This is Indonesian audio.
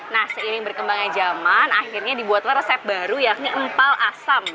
nah seiring berkembangnya zaman akhirnya dibuatlah resep baru yakni empal asam